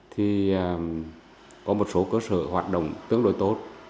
thì có một số cơ sở hoạt động tương đối tốt